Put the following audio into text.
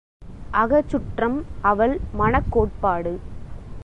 அகச்சுற்றம் அவள் மனக் கோட்பாடு.